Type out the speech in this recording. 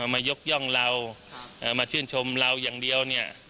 มายกย่องเรามาชื่นชมเราอย่างเดียวเนี่ย